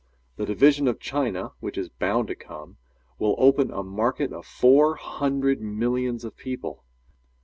The division of China which is bound to come, will open a market of four hundred millions of people.